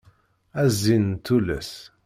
A zzin n tullas.